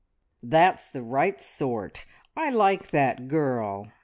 "That's the right sort. I like that girl!"